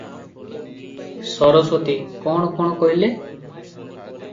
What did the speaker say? ସରସ୍ୱତୀ - କଣ-କଣ କହିଲେ?